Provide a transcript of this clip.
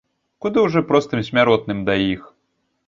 Куды ўжо простым смяротным да іх!